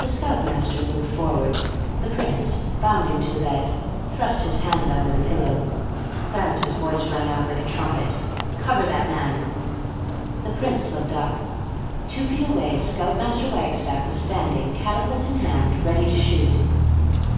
The Scout Master moved forward. The Prince, bounding to the bed, thrust his hand under the pillow. Clarence's voice rang out like a trumpet. "Cover that man!" The Prince looked up. Two feet away Scout Master Wagstaff was standing, catapult in hand, ready to shoot.